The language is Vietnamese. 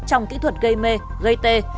trong kỹ thuật gây mê gây tê